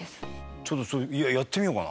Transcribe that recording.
ちょっとやってみようかな。